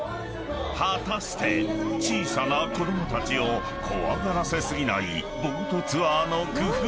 ［果たして小さな子供たちを怖がらせ過ぎないボートツアーの工夫とは？］